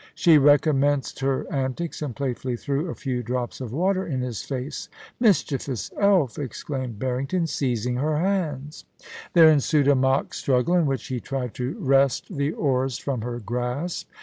She recommenced her antics, and playfully threw a few drops of water in his face. * Mischievous elfi' exclaimed Barrington, seizing her hands. There ensued a mock struggle, in which he tried to wrest the oars from her grasp.